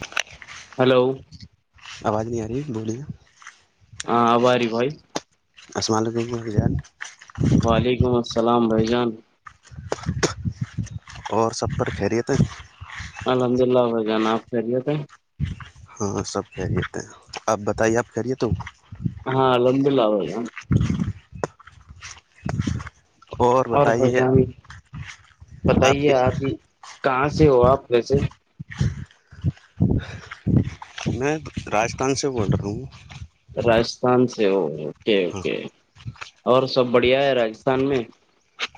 bye hello آواز نہیں آ رہی ہے بولیے ہاں آباری بھائی اسسمال لگ کو حجا وعلیکم السلام بھائی جان اور سب پر خیریتیں الحمد للہ بھگ ن آپ خریت ہے ہاں سب خہریت ہیں آپ بتائیے آپ خہریت ہو ہاں لوب ل اورا اور پریشانی بتائیے آپ ہی کہاں سے ہو آپ کیسے میں راجستھان سے بول رہا ہوں راجستھان سے ا اوکے ہاں اوکے اور سب بڑھیا ہے راجستھان میں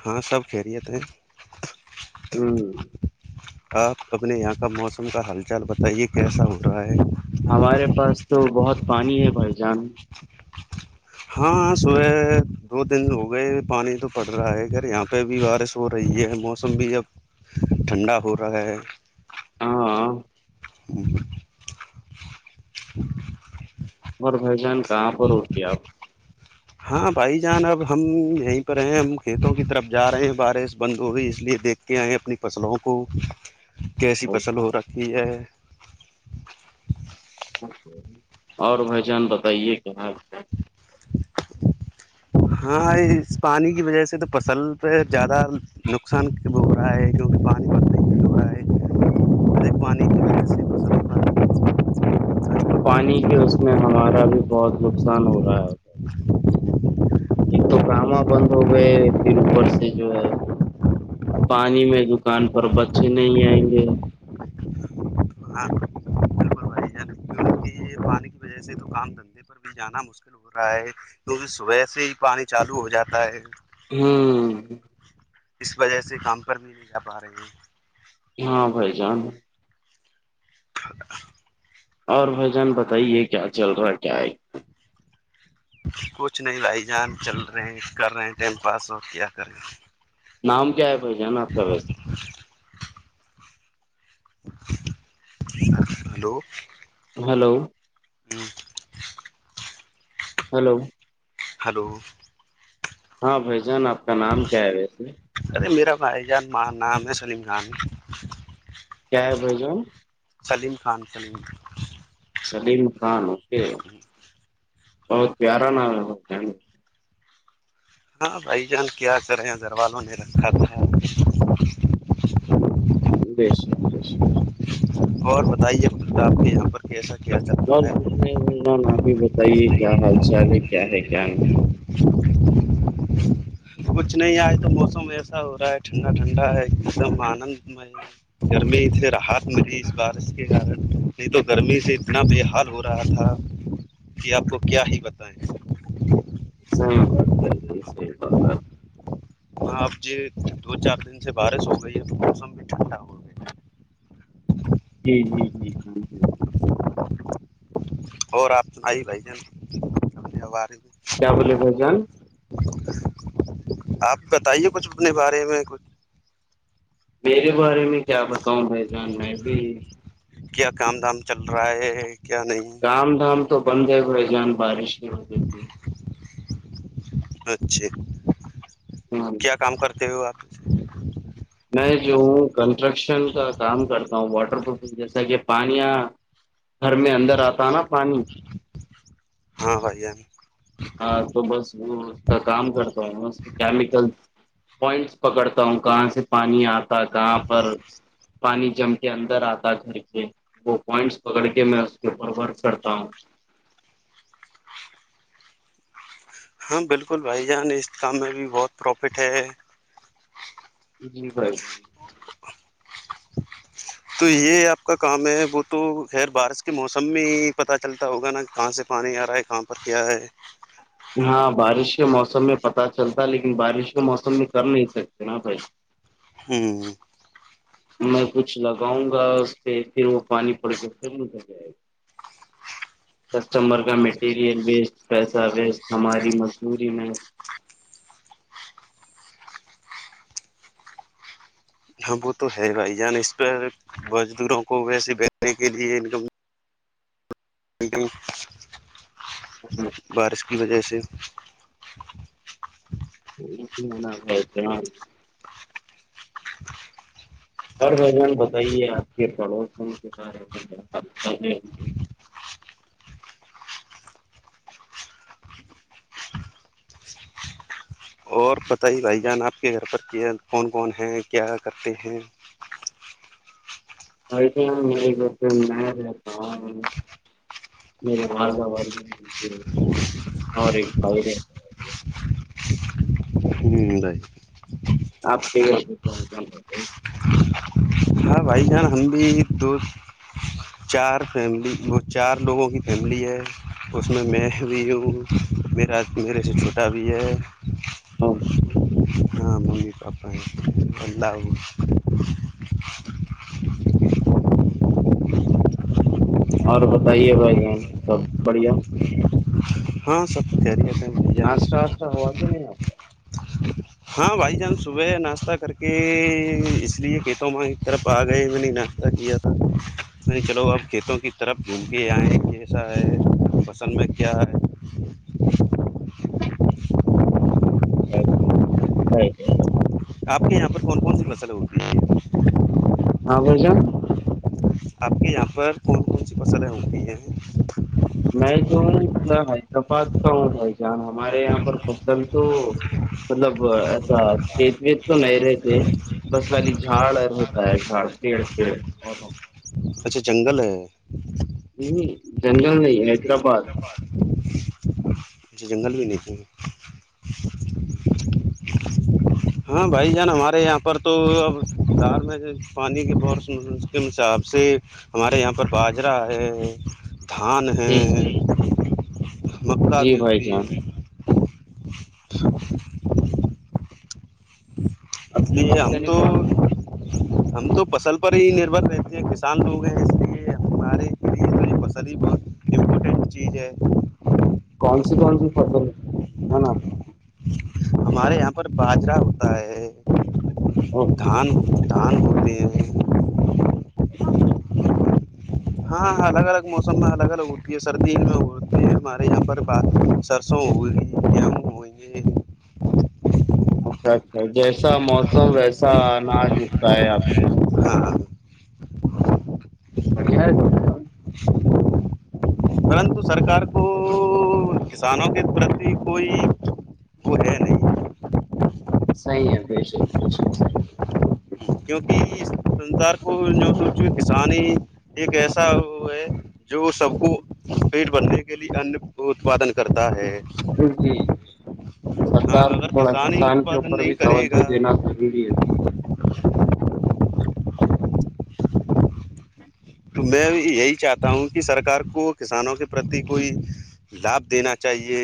ہاں سب خیریت ہیں ہ آپ اپنے یہاں کا موسم کا حال چال بتائیے کیسا ہو رہا ہے ہمارے پاس تو بہت پانی ہے بھائی جان ہاں صبح دو دن ہو گئے پانی تو پڑ رہا ہے گھر یہاں پہ بھی بارش ہو رہی ہے موسم بھی اب ٹھنڈا ہو رہا ہے ہاں ا [inaudible] [inaudible] اور بھائی جان کہاں پر ہوتی ہے آپ [inaudible] ہاں بھائی جان اب ہم یہیں پر ہیں ہم کھیتوں کی طرف جا رہے ہیں بارش بند ہو گئی اس لیے دیکھ کیا آئے اپنی فصلوں کو کیسی فصل ہو رکھی ہے اور بھائی جان بتائیے کیا ہاں اس پانی کی وجہ سے تو فصل پہ زیادہ نقصان بھی ہو رہا ہے کیونکہ پانی نہیں بھی ہو رہا ہے پانی کی وجہ سے فصل پانی کی اس میں ہمارا بھی بہت نقصان ہو رہا ہے ایک تو کاما بند ہو گئے پھر اوپر سے جو ہے پانی میں دکان پر بچے نہیں آئیں گے آ [inaudible] پانی وجہ سے دکان دندے پر بھی جانا مشکل ہو رہا ہے کیونکہ صبح سے ہی پانی چالو ہو جاتا ہے ہاں اس وجہ سے کام کر بھی نہیں جا پا رہے ہے ہاں بھائی جان [inaudible] اور بھ جان بتائیے کیا چل رہا ہے کیا ہے کچھ نہیں لائی جان چل رہے ہیں کر رہے ہیں ٹائم پاس ہو کیا کر رہے ہیں نام کیا ہے پھشان آپ کا ویس ہلو ہلو ہوں ہلو ہلو ہاں بھائی جان آپ کا نام کیا ہے ویسے ارے میرا بھائی جان ماں نام ہے سلیم خان کیا ہے بھ جن سلیم خان سلیم سلیم خان اوکے بہت پیارا ناول ہوتے ہیں ہاں بھائی جان کیا کرے ہیں گھر وال والوں نے رکھا تھا بس اور بتائیے خدرتا آپ کے یہاں پر ایسا کیا جات کچھ نہیں آپ ہی بتائیے کیا حال چال ہے کیا ہے کیا نہیں [inaudible] کچھ نہیں آج تو موسم ایسا ہو رہا ہے ٹھنڈا ٹھنڈا ہے ایک دم آنند میں گرمی سے راحت ملی اس بارش کے کارن نہیں تو گرمی سے اتنا بے حال ہو رہا تھا کہ آپ کو کیا ہی بتائیں صحی بات صحی بات ہاں اب جی دو چار دن سے بارش ہو گئی ہے تو موسم بھی ٹھنڈا ہو گیا ہے جی اور آپ آئیے بھائی جان کب آ رہے کیا بولے بھائی جان آپ بتائیے کچھ اپنے بارے میں کچھ میرے بارے میں کیا بتاؤں بھا ئی جان میں بھی کیا کام دھام چل رہا ہے کیا نہیں دام دھام تو بند ہے بھائی جان بارش کی وجہ سے اچھے ہاں کیا کام کرتے ہو آپ میں جو ہوں کنسٹرکشن کا کام کرتا ہوں واٹر پروف جیسا کہ پانیاں گھر میں اندر آتا ہے نا پانی ہاں بھائی جان ہاں تو بس وہ اس کا کام کرتا ہوں بس کیمیکل پوائنٹس پکڑتا ہوں کہاں سے پانی آتا کہاں پر پانی جم کے اندر آتا گھر کے وہ پوائنٹس پکڑ کے میں اس کے اوپر ورک کرتا ہوں ہاں بالکل بھائی جان اس کام میں بھی بہت پروفٹ ہے جی بھائی جان [inaudible] تو یہ آپ کا کام ہے وہ تو خیر بارش کے موسم میں ہی پتا چلتا ہوگا نا کہاں سے پانی آ رہا ہے کہاں پر کیا ہے ہاں بارش کے موسم میں پتا چلتا لیکن بارش کے موسم میں کر نہیں سکتے نا بھائی جان ہوں میں کچھ لگاؤں گا اس پہ پھر وہ پانی پڑ کے پھر نکر جائے گا [inaudible] کسٹمر کا مٹیریل ویسٹ پیسہ ویسٹ ہماری مزدوری میں ہاں وہ تو ہے بھائی جان اس پہ مزدوروں کو ویسے بیچنے کے لیے انکم بارش کی وجہ سے [unintelligible] اور بھائی جان بتائیے آپ کے پڑوسوں کے بارے میں کیا حال ہے اور بتائیے بھائی جان آپ کے گھر پر کیا کون کون ہیں کیا کرتے ہیں [unintelligible] [unintelligible] [unintelligible] آپ کے گھر میں کون کون ہے ہاں بھائی جان ہم بھی تو چار فیملی چار لوگوں کی فیملی ہے اس میں میں بھی ہوں میرا میرے سے چھوٹا بھی ہے اوہ نام ہو اپ بولو اور بتائیے بھائی جان سب بڑھیا ہاں سب خیریت بھائی جان ناشتا واستا ہوا کہ نہیں ہاں بھائی جان صبح ناشتہ کر کے اس لیے کیشو مائی کی طرف آ گئے میں نے ناشتہ کیا تھا میں چلو اب کھیتوں کی طرف جھوم کے آئے کیسا ہے پسند میں کیا ہے ا ج [unintelligible] [inaudible] آپ کے یہاں پر کون کون سی فصلیں ہوتی ہیں ہاں بشن آپ کے یہاں پر کون کون سی فصل ہے ہو گ ہے میں جونا حیدرآباد کا ہوں بھائی جان ہمارے یہاں پر فصل تو مطلب ایسا کھیت ویت تو نہیں رہتے بس خالی جھاڑ رہتا ہے جھاڑ پیڑ پیڑ ب اچھا جنگل ہے ہ جنگل نہیں حیدرآباد جھ جنگل بھی نہیں تھھی [inaudible] جی [inaudible] ہاں بھائی جان ہمارے یہاں پر تو اب دار میں پانی کے بورش کے حساب سے ہمارے یہاں پر باجرہ ہے دھان ہے جی جی مسلہ جی بھی بھائی ہوتی جان ہے [inaudible] الی ہفتے ہمم نے تو کون [inaudible] ہم تو فصل پر ہی نربھر رہتے ہیں کسان تو ہو گئے ہیں اس لیے ہمارے فصل ہی بہت امپورٹنٹ چیز ہے کون سی کون سی فصل ہے ہے نا ہمارے یہاں پر باجرا ہوتا ہے دھان اوکے تان مے [inaudible] ا [inaudible] ہاںاں الگ الگ موسم میں الگ الگ ہوتی ہے سردی میں ہوتے ہیں ہمارے یہاں پر بات ترسو ہو گ جمو ہو گ [inaudible] اچھا اچھا جیسا موسم ویسا اناج اٹھتا ہے آپ کے پاس ہاں بڑھیا ہے گ سا [inaudible] [inaudible] پرن تو سرکار کو کسانوں کے پرتی کوئی وہ ہے نہیں [inaudible] صیح ہے بشر بشر صحی [unintelligible] کیونکہ سنسار کو جو سوچو کسان ہی ایک ایسا ہے جو سب کو پیٹ بھرھنے کے لیے انن اتپادن کرتا ہے [inaudible] جی ہاں سرکار کو اگر تھوڑا ہی کسان کے اتپادن اوپر نہیں بھی کرے توجہ گا دینا ضروری ہےھ [inaudible] [inaudible] تو میں یہی چاہتا ہوں کہ سرکار کو کسانوں کے پرتی کوئی لابھ دینا چاہیے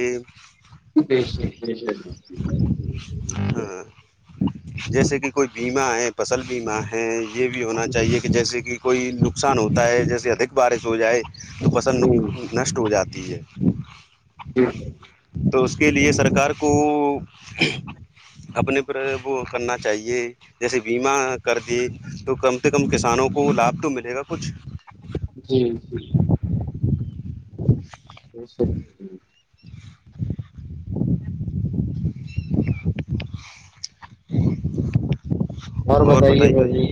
دش دیش [inaudible] ہاں جیسے کہ کوئی بیمہ ہے فصل بیمہ ہے یہ بھی ہونا جی چاہیے کہ جیسے کہ کوئی نقصان ہوتا ہے جیسے ادھک بارش ہو جائے تو فصل جی نشٹ ہو جاتی ہے جی [inaudible] تو اس کے لیے سرکار کو اپنے پر وہ کرنا چاہیے جیسے بیما کر دی تو کم سے کم کسانوں کو لابھ تو ملے گا کچھ جی جی جی ا سب جی [inaudible] [inaudible] اور بتائیے بائیو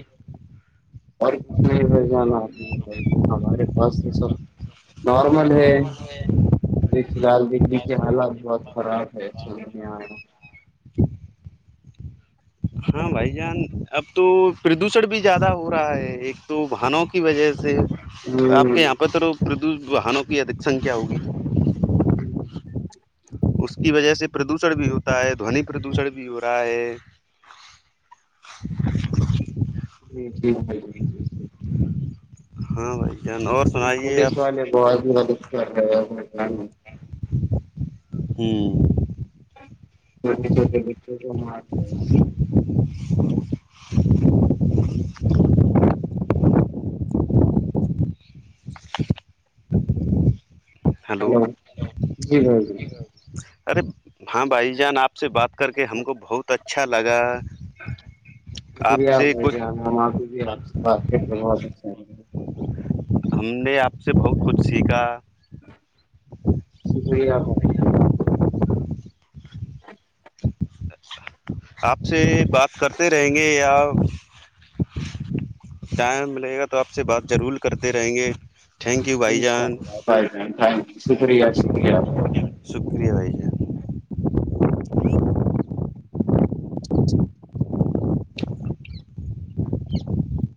اور کچھ نہیں ہو جانا آپ بتائی ہمارے پاس تو سب [inaudible] نارمل ہے ابھی فی الحال دلی کے حالات بہت [inaudible] خراب ہے چ میں آیا [inaudible] ہاں بھائی جان اب تو پردوشن بھی زیادہ ہو رہا ہے ایک تو ونوں کا کی وجہ سے آپ کے ہوں یہاں پر تو پردوش واہنوں کی ادھک سنکھیا ہوگی جی [inaudible] اس کی وجہ سے پردوشن بھی ہوتا ہے دھونی پردوشن بھی ہو رہا ہے جی جٹھیک ہے [inaudible] ہاں بھائی جان اور سنائیے پولیس آپ والے بہت زد کر رہ [inaudible] ہاں [unintelligible] چھوٹے چھٹے بچوں کو م ہیلو ہلو جی بھائی جان ارے ہاں بھائی جان آپ سے بات کر کے ہم کو بہت اچھا لگا آپ شکریہ سے بھائی ج کچھ ج آپ سے بات کر بت ہم نے آپ سے بہت کچھ سیکھا شکریہ بت ج [unintelligible] اچھا [unintelligible] آپ سے بات کرتے رہیں گے یا ٹائم ملے گا تو آپ سے بات ضرور کرتے رہیں گے تھینک یو بھائی انشاء جان اللہ بھائی بن تھینک شکریہ شکریہ بھائی شکریہ بھائی جان جی [unintelligible] [unintelligible]